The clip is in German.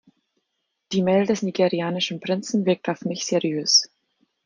Die Mail des nigerianischen Prinzen wirkt auf mich seriös.